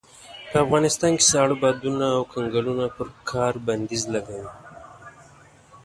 په افغانستان کې ساړه بادونه او کنګلونه پر کار بنديز لګوي.